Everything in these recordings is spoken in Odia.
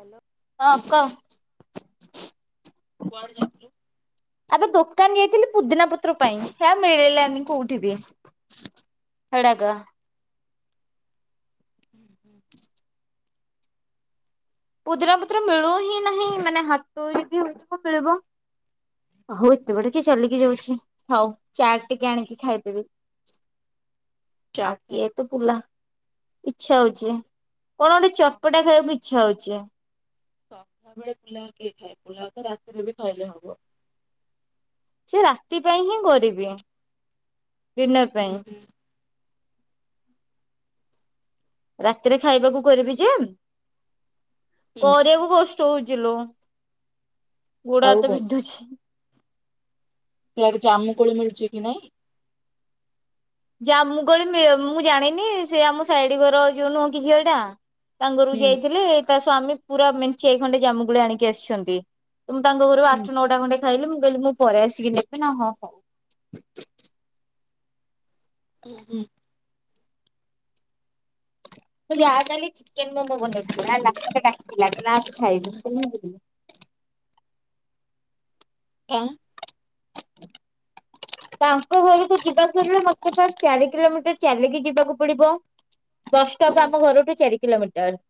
ହାଲୋ ହଁ କ। କୁଆଡେ ଯାଇଥିଲୁ? ଆବେ ଦୋକାନ ଯାଇଥିଲି ପୁଦିନା ପତ୍ର ପାଇଁ ହେ ମିଳିଲାନି କୋଉଠି ବି ସେଡାକ ପୁଦିରା ପତ୍ର ମିଳୁ ହିଁ ନାହିଁ ମାନେ ହାଟ ରୁ କି ହେଇଥିବ ମିଳିବ ଆଉ ଏତେବାଟ ଟିକେ ଚାଲିକି ଯାଉଛି ହଉ ଚାଟ ଟିକେ ଆଣିକି ଖାଇଦେବି। ଆଉ ଚାଟ୍ କିଏ ଖାଇବୁ ଏତେ ପୁଲା ଇଚ୍ଛା ହଉଛି କଣ ଗୋଟେ ଚଟ ପଟା ଖାଇବାକୁ ଇଛା ହଉ ଜ୍ୟା ସଧ୍ୟା ବେଳେ ପୁଲା କିଏ ଖାଏ ପୁଲାଓ ତ ରାତିରେ ବି କଲେ ହବ। ସେ ରାତି ପାଇଁ ହିଁ କରିବି। ଡିନର ପାଇଁ। ରାତିରେ ଖାଇବାକୁ କରିବି ଯେ ହୁଁ କରିବାକୁ କସ୍ ଚଉଜିଲ ଆଉ ଗୋଡହାତ ବିନ୍ଧୁଛି। ସେଆଡେ ଜାମୁ କୋଳି ମିଳୁଛି କି ନାଇଁ? ଜାମୁକୋଳି ମି ମୁଁ ଜାଣିନି ସେ ଆମ ସାଇଡୀ ଘର ଯୋଉ ନୁହଁ କି ଝିଅ ଟା ତାଙ୍ଗରକୁ ହୁଁ ଯାଇଥିଲେ ତା ସ୍ଵାମୀ ପୁରା ମେଞ୍ଚେଏ ଖଣ୍ଡେ ଜାମୁକୋଳି ଆଣିକି ଆସିଛନ୍ତି। ମୁ ତାଙ୍କ ଘରୁ ଆଠ ନଟା ଖଣ୍ଡେ ଖାଇଲେ ମୁଁ କହିଲି ମୁଁ ପରେ ଆସିକି ନେବି ନା ହଁ ହଁ । ଉଁ ଉୁଁ। ମୁ ଜା କାଲି ଚିକେନ ମୋମୋ ବନେଇଥିଲା ହେଲା ମତେ ଡାକିଲା କହିଲା ଆସ ଖାଇବୁ। ମୁଁ କହିଲି ମୁଁ ଯିବିନି। ହ। [inaudible] ତାଙ୍କ ଘରକୁ ଯିବାକୁ ହେଲେ ମତେ ଫାଷ୍ଟ୍ ଚାରି କିଲୋମିଟର ଚାଲିକି ଯିବାକୁ ପଡିବ। ବସ୍ ଷ୍ଟପ ଆମ ଘରଠୁ ଚାରି କିଲୋମିଟର। ଆ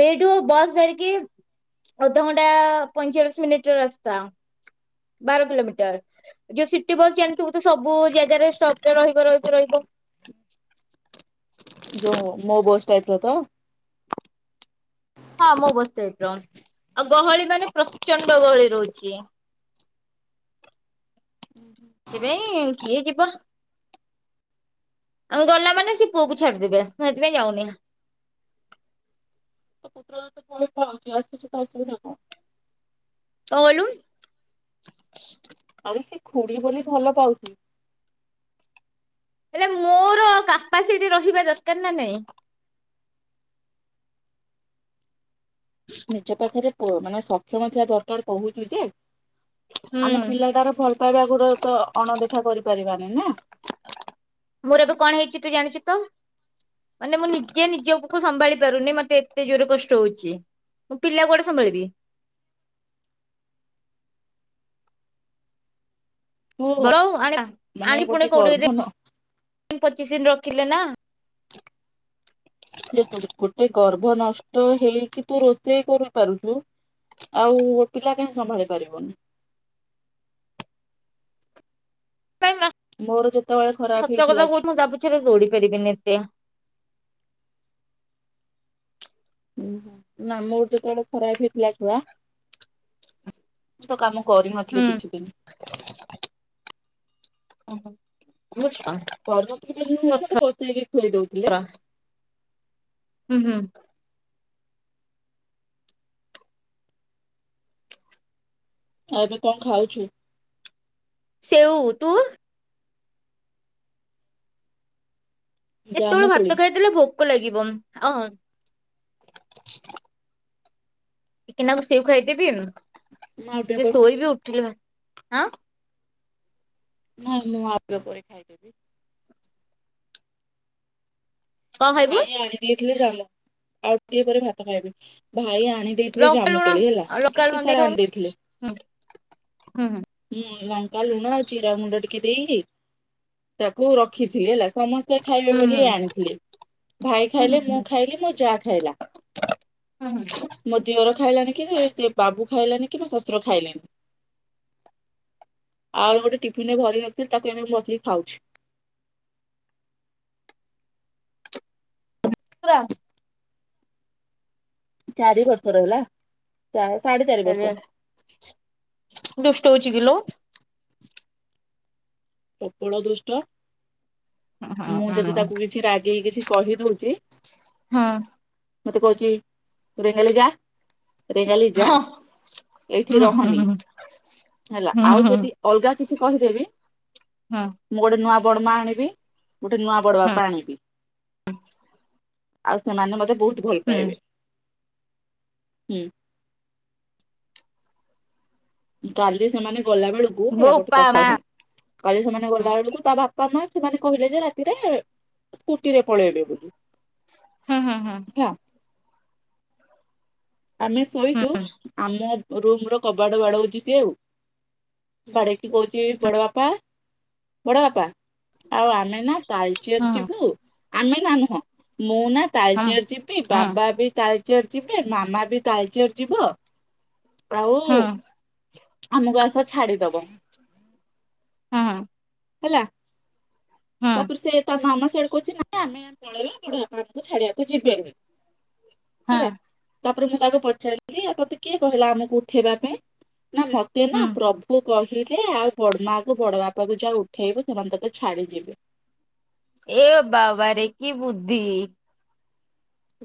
ସେଇଠୁ ବସ୍ ଧରିକି ଅଧଘଣ୍ଟା ପଇଁଚାଳିଶ ମିନିଟ ର ରାସ୍ତା, ବାର କିଲୋମିଟର ଯୋଉ ସିଟି ବସ୍ ଜାଣିଥିବୁ ତ ସବୁ ଜାଗାରେ ଷ୍ଟପ ରେ ରହିବ ରହିବ ରହିବ। ଯଉ ମୋ ବସ୍ ଯାଇଥିଲେ ତ ହଁ ମୋ ବସ ଟାଇପର। ଆଉ ଗହଳି ମାନେ ପ୍ରଚଣ୍ଡ ଗହଳି ରହୁଛି। ସେଥିପାଇ କିଏ ଯିବ। ଆଉ ଗଲା ମାନେ ସେ ପୁଅ କୁ ଛାଡିଦବେ ମୁଁ ସେଥିପାଇଁ ଯାଉନି। ପୁତ୍ର ତ ପଳେଇବ [unintelligible] କିଛି ତ ଅସୁବିଧା କଣ? କଣ କଇଲୁ? ଆରେ ସେ ଖୁଡି ବୋଲି ଭଲ ପାଉଛି। ହେଲେ ମୋର କାପାସିଟି ରହିବା ଦରକାର ନା ନାଇଁ। ନିଜ ପାଖରେ ଓ ମାନେ ସକ୍ଷମ ଥିଲା ଦରକାର କହୁଛୁ ଯେ ହୁଁ। ଆମେ ପିଲାଟାର ଭଲ ପାଇବା ଆ ଗୁରା ତ ଅଣ ଦେଖ ଦେଖା କରିପାରିବାନି ନା। ମୋର ଏବେ କଣ ହେଇଛି ତୁ ଜାଣିଛୁ ତ, ମାନେ ମୁଁ ନିଜେ ନିଜକୁ ସମ୍ଭାଳି ପାରୁନି। ମତେ ଏତେ ଜୋର କଷ୍ଟ ହଉଛି, ମୁଁ ପିଲା କୁଆଡେ ସମ୍ଭାଳିବି। ତୁ ବରଂ ଆ ମାନେ ଆଣି ଗୋଟେ ପୁଣି ଗର୍ଭ କୋଡିଏ ନ [inaudible] ପଚିଶ ଦିନ ରଖିଲେ ନା ଯେ ତୁ ଗୋଟେ ଗର୍ଭ ନଷ୍ଟ ହେଇକି ତୁ ରୋଷେଇ କରିପାରୁଛୁ। ଆଉ ପିଲା କାହିଁ ସମ୍ଭାଳି ପାରିବୁନି। ପାଇ [unintelligible] ଖରାପ ସତ ହେଇଥିଲା କଥା କହୁଛି ମୁଁ ତା ପଛରେ ଦୋଡି ପାରିବିନି ଏତେ। ହୁ ନା ମୋର ଯେତେବେଳେ ଖରାପ ହେଇଥିଲା ଛୁଆ ମୁ ତ କାମ କରି ନଥିଲି ହୁଁ। କିଛି ଦିନ। ଓହୋ। ପରବର୍ତୀ ମତେ ବସେଇକି ଖୁଆଇ ଦଉଥିଲେ। ହୁଁ ହୁଁ। ଆଉ ଏବେ କଣ ଖାଉଛୁ? ସେଉ ତୁ? ଜାମୁ କେତେବେଳଳେ କୋଳି ଭାତ ଖାଇଦେଲେ ଭୋକ ଆ ଲାଗିବ ଅ ଟିକେ ନାକୁ ସେଉ ଖାଇଦେବି ମୁଁ ଆଉ ଟିକେ ସେ ପରେ ଶୋଇ ବିି ଉଠିଲୁ ବା ଆଁ। ନାଇଁ ମୁଁ ଆଉ ଟିକେ ପରେ ଖାଇଦେବି। କଣ ଖାଇବୁ ଭାଇ ଆଣି ଦେଇଥିଲେ ଜାମୁ ଆଉ ଟିକେ ପରେ ଭାତ ଖାଇବି ଭାଇ ଆ ଆଣି ଦେଇଥିଲେ ଲଙ୍କା ଲୁଣ ଜାମୁକୋଳି ହେଲା ଲଙ୍କା ଲୁଣ କେତେ ଦେଇ ସାରା ଖାଉନୁ ଆଣି ଦେଇଥିଲେ। ହୁଁ ହୁଁ କାଲୁନା ଆଉ ଚିରା ମୁୁଣ୍ଡ ଟିକେ ଦେଇକି ତାକୁ ରଖିଥିଲେ ହେଲା। ସମସ୍ତେ ଖାଇବେ ହୁଁ ବୋଲି ହୁଁ ଆଣିଥିଲେ। ଭାଇ ହୁଁ ଖାଇଲେ ହୁଁ ମୁଁ ଖାଇଲି ମୋ ଯାହା ଖାଇଲା ହୁଁ ହୁଁ ମୋ ଦିଅର ଖାଇଲାଣି କି ସେ ବା ଆବୁ ଖାଇଲାନି କିମ୍ବା ଶଶୁର ଖାଇଲେନି ଆ ଗୋଟେ ଟିଫିନରେ ଭରି ନଥିଲ ତାକୁ ବସେଇ ଖାଉଛି। [inaudible] ଚାରି ବର୍ଷ ର ହେଲା। ଚା- ସାଢେ ଚାରି ଆରେ ବର୍ଷ ଦୁଷ୍ଟ ହଉଛି କିଲୋ। [inaudible] ପ୍ରବଳ ଦୁଷ୍ଟ। ହଁ ମୁଁ ଯଦି ତାକୁ କିଛି ରାଗେଇ କିଛି କହିଦଉଛି ହଁ। ମତେ କହୁଛି ତୋରେ ହେଲେ ଯା ରେଙ୍ଗାଲି ଯା ହୁଁ ଏଇଠି ହୁଁ ହୁଁ ରହନି ହୁଁ ହେଲା ଆଉ ଯଦି ଅଲଗା କିଛି କହିଦେବି। ହୁଁ। ମୁଁ ଗୋଟେ ନୂଆ ବଡ ମା ଆଣିବି ଗୋଟେ ନୂଆ ବଡ ବାପା ଆଣିବି। ହୁଁ। ଆଉ ସେମାନେ ମତେ ବହୁତ ବହୁ ଭଲ ପାଇବେ। ହୁଁ। କାଲି ସେମାନେ ଗଲା ବେଳକୁ ହେଲା ଗୋଟେ ବୋପା କଥା ମା ଶୁଣୁ କାଲି ସେମାନେ ଗଲା ବେଳକୁ ତା ବା ପା ମା ସେମାନେ କହିଲେ ଯେ ରାତିରେ ସ୍କୁଟିରେ ପଳେଇବେ ବୋଲି। ହୁଁ ହୁଁ ହୁଁ। ହେଲା ଆମେ ଶୋଇଚୁ ଆମ ରୁମ ର କବାଡ ବାଡଉଚି ସିଏ ଆଉ ବାଡେଇକି କହୁଚୀ ବଡ ବାପା ବଡ ବାପା। ଆଉ ଆମେ ନା ତାଲଚେର ହୁଁ ଯିବୁ ଆମେ ନା ନୁହଁ ମୁଁ ନା ହୁଁ ତାଲଚେର ଯିବି ହୁଁ ବାବା ବି ତାଲଚେର ଯିବେ ମାମା ବି ତାଳଚେର ଯିବ ଆଉ ହୁଁ ଆମକୁ ଆସ ଛାଡିଦବ। ହଁ। ହେଲା। ହଁ ତାପରେ ସେ ତା ମାମା ସିଏ ସେଉଠୁ କହୁଚି ନା ଆମେ ପଳେଇବା ବଡଆପା ଆମକୁ ଛାଡିଆକୁ ଯିବେନି। ହଁ। ପରେ ମୁଁ ତାକୁ ପଚାରିଲି ଆଉ ତତେ କିଏ କହିଲା ଆମକୁ ଉଠେଇବା ପାଇଁ? ନା ମତେ ହୁଁ। ନା ପ୍ରଭୁ କହି ଉଠିଲେ ଆଉ ବଡ ମାଆ କୁ ବଡ ବାପା କୁ ଯାଆ ଉଠେଇବୁ ସେମାନେ ତତେ ଛାଡିଯିବେ। ଏ ବାବା ରେ କି ବୁଦ୍ଧି।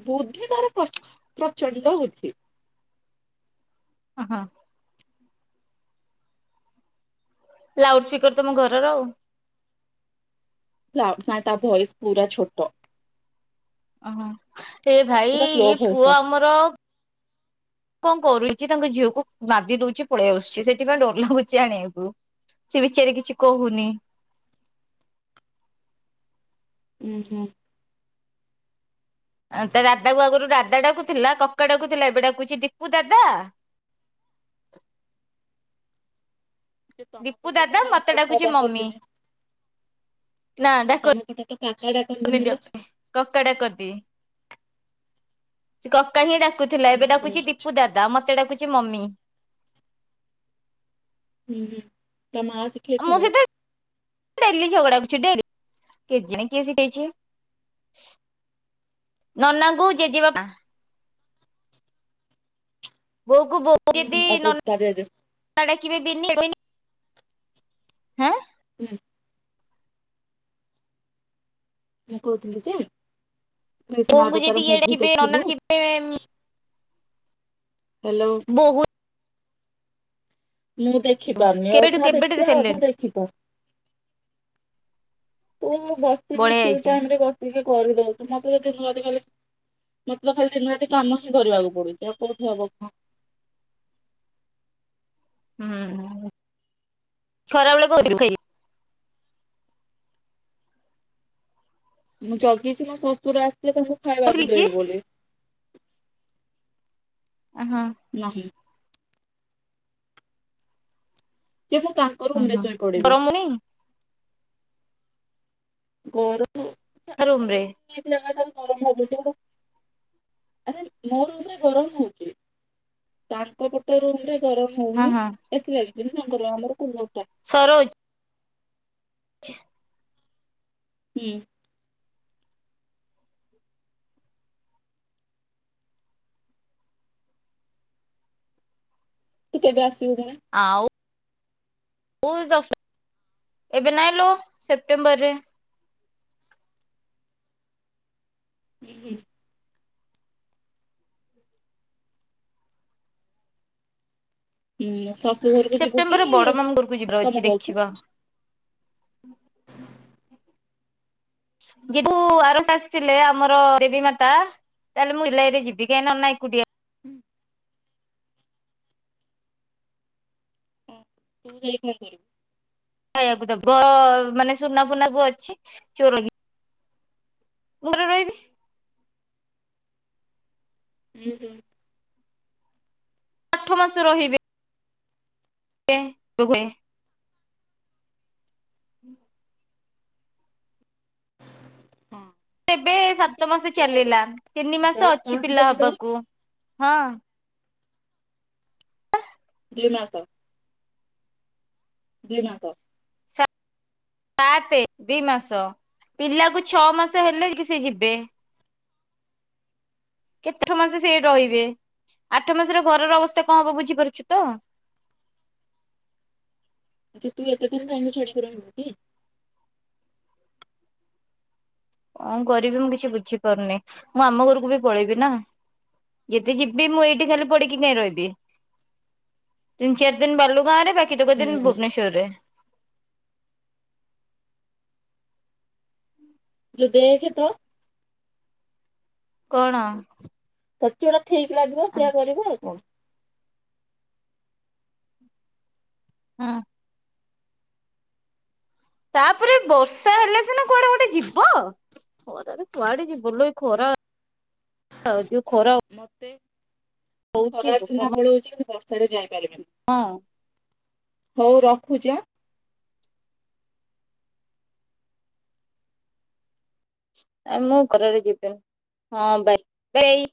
ବୁଦ୍ଧି ତାର ପ୍ର ପ୍ରଚଣ୍ଡ ବୁଦ୍ଧି। ହଁ ହଁ। ଲାଉଡ ସ୍ପିକର ତମ ଘରର ଆଉ। ଲାଉ ନାଇ ତା ଭଏସ ପୁରା ଛୋଟ। ଓହୋ ଏ ଭାଇ ପୁରା ସ୍ଲୋ ଇଏ ଭଏସ ପୁଅ ଟା ଆମର କଣ କରୁଚୀ ତାଙ୍କ ଝିଅକୁ ନାଦି ଦଉଚି ପଳେଇ ଆସୁଛି ସେଥିପାଇଁ ଡର ଲାଗୁଛି ଆଣିଆକୁ। ସେ ବିଚାରି କିଛି କହୁନି। ହୁଁ ହୁଁ ଆଉ ତା ଦାଦା କ ଆଗରୁ ଦାଦା ଡାକୁ ଥିଲା କକା ଡାକୁ ଥିଲା ଏବେ ଡାକୁଚି ଦୀପୁ ଦାଦା। ଯେ ତମ ଦୀପୁ ପଟେ ଦାଦା ତ ମତେ କାକା ଡାକୁଚି ମମି। ଡାକନ୍ତିନି ନା ଡାକ ତମ ପଟେ ତ କାକା ଡାକନ୍ତିନି ଲୋ [inaudible] କକା ଡାକନ୍ତି। ସେ କକା ହିଁ ଡାକ କୁଥିଲା ହୁଁ ଏବେ ହୁଁ ଡାକୁଚି ଦୀପୁ ଦାଦା ମତେ ଡାକୁ ଚି ମମି। ହୁଁ ହୁଁ। ତା ମାଆ ମୋ ଶିଖେଇଥିବ। ସହିତ ଡେଲି ଝଗଡା ହେଉଛି ଡେଲି କେଜାଣି କିଏ ‌ଶିଖେଇଛି ନନାଙ୍କୁ ଜେଜେ ବାପା ବୋଉକୁ ବୋଉ ଉଁ ଯଦି ହୁଁ ଆଉ ତ- ନନ୍ ତା ଜେଜେ [inaudible] [unintelligible] ‌ ହାଁ ହୁଁ। ମୁଁ କହୁଥିଲି ଯେ କ୍ରିଷ୍ଣା ବୋଉଙ୍କୁ ଯଦି ଅବତାର ଇଏ ମୁଭି ଡାକିବେ ନନା ଦେଖିଲୁ [unintelligible] ହ୍ୟାଲୋ ବୋହୁ ମୁଁ ଦେଖିପାରୁନି କେବେଠୁ ଅଧା କେବେଠୁ ଦେଖିଲେ ଅଧା ସାରିଲେଣି ଦେଖିପାରୁ ତୁ ବସିକି ବଢିଆ ଫ୍ରି ହେଇଛି ଟାଇମରେ ବସିକି କରିଦଉଛୁ ମତେ [unintelligible] ମତେ ଖାଲି ଦିନ ରାତି କାମ ହିଁ କରିବାକୁ ପଡୁଛି ଆଉ କୋଉଠି ହବ କହ? ହୁଁ ଉଁ ଖରାବେେଳେ [unintelligible] ମୁଁ ଜଗିଛି ମୋ ଶ୍ୱଶୁର ଆସ୍ ଲେ ତାଙ୍କୁ ଖାଇବାବୁ କହୁଥିଲି କି ଦେବି ବୋଲି ଉହୁଁ ନାହିଁ। ଯେ ମୁଁ ତାଙ୍କର ରୁମରେ ହଁ ଶୋଇ ପଡିବି ଗରମ ହଉନି ଗୋରୁ ରୁମରେ। [inaudible] ଆରେ ମୋ ରୁମରେ ଗରମ ହଉଛି ତାଙ୍କ ପଟ ରୁମରେ ଗରମ ହଁ ହଉନି ହଁ ଏଥିଲାଗି [unintelligible] ଆମର [unintelligible] ସରୋଜ। [inaudible] ହୁଁ। ତୁ‌ କେବେ ଆସ୍। [unintelligible] [unintelligible] ଏବେ ନାଇଁଲୋ ସେପ୍ଟେମ୍ବରରେ। ହୁଁ ହୁଁ। ହୁଁ ଶାଶୁ ଘରକୁ ଯିବୁ କି ସେପ୍ଟେମ୍ବରରେ ବଡ ମାମୁଁ ଘରକୁ ଯିବାର ଅଛି ତମ ଘରକୁ? ଦେଖିବା [inaudible] ଯିବୁ ଆର [unintelligible] ଆସିଥିଲେ ଆମର ଦେବୀ ମାତା ତାହେଲେ ମୁଁ ଉଲାଇରେ ଯିବି କାଇଁ ନନା ଏକୁଟିଆ। ହୁଁ ହୁଁ ତୁ ଯାଇ କଣ କରିବୁ? ଖାଇବାକୁ ଦେବଅଅ ମାନେ ସୁନାଫୁନାକୁ ଅଛି ଚୋର କି ଘରେ ରହିବି। ହୁଁ ହୁଁ। ଆଠ ମାସ ରହିବେ। କେ [unintelligible] [inaudible] ହଁ। ଏବେ ଯେ ସାତ ମାସ ତୋ ଚାଲିଲା ତିନି ଯା ମାସ ଅଛି ଗାଁକୁ ପିଲା ଯେତେବେଳେ ଯାଏ ହବାକୁ। ହଁ। ହ। ବଲି ମାସ ଦିନ କ ସାତେ ଦି ମାସ ପିଲାକୁ ଛଅ ମାସ ହେଲେ କି ସେ ଯିବେ କେତେର ମାସ ସେ ରହିବେ ଆଠ ମାସର ଘରର ଅବସ୍ଥା କଣ ହବ ବୁଝିପାରୁଛୁ ତ ଆଛା ତୁ ଏତେଥର ତାଙ୍କୁ ଛାଡି କରିବୁ କି ହଁ କରିବି ମୁଁ କିଛି ବୁଝିପାରୁନି ମୁଁ ଆମ ଘରକୁ ବି ପଳେଇବି ନା ଯେତେ ଯିବି ମୁଁ ଏଇଠି ଖାଲି ପଡିକି କାଇହିଁ ରହିବି ତିନି ଚାରି ଦିନ ବାଲୁ ଗାଁ ରେ କିନ୍ତୁ କିଛଦିନ ହୁଁ ଭୁବନେଶ୍ୱର୍ ରେ ଯ ଦେଖେ ତ କଣ? ତତେ ଯଉରା ଠିକ ଲାଗିବ ସେଇୟା କରିବୁ ଆଉ କଣ? ହଁ। ତାପରେ ବର୍ଷା ହେଲେ ସିନା କୁଆଡେ ଗୋଟେ ଯିବ କୁଆଡେ ଯିବଲୋ ଏ ଖରା ଖରା ମତେ ମୁଁ ହଉଛି ଖରାରେ ସିନା ପଳଉଛି କିନ୍ତୁ ବର୍ଷ ସେଠି ଯାଇପାରିବନି। ହଁ। ହଉ ରଖୁଛି ହାଁ? ମୁଁ ଖରାରେ ଯିବିନି ହଁ ବା ଏଇ